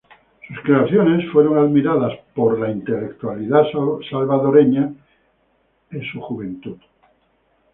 Sus creaciones fueron admiradas dentro de la intelectualidad salvadoreña en sus años de juventud.